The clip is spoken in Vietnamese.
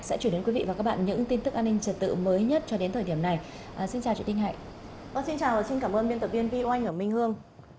xin chào và xin cảm ơn biên tập viên vy oanh ở minh hương